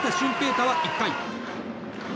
大は１回。